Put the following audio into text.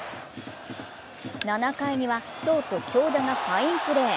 ７回にはショート・京田がファインプレー。